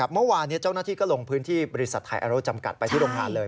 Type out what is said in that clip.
เมื่อวานนี้เจ้าหน้าที่ก็ลงพื้นที่บริษัทไทยอาโลจำกัดไปที่โรงงานเลย